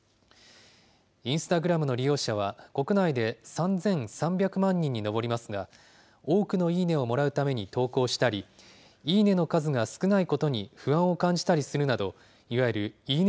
インスタグラムの利用者は、国内で３３００万人に上りますが、多くのいいね！をもらうために投稿したり、いいね！の数が少ないことに不安を感じたりするなど、いわゆるいいね！